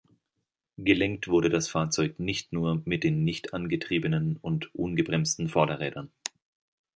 Gelenkt wurde das Fahrzeug nicht nur mit den nicht angetriebenen und ungebremsten Vorderrädern.